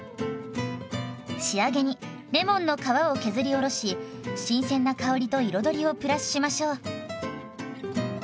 仕上げにレモンの皮を削りおろし新鮮な香りと彩りをプラスしましょう。